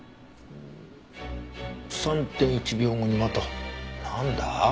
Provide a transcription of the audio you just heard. ３．１秒後にまたなんだ？